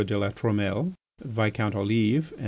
de La Trumelle, Viscount Olive, and M.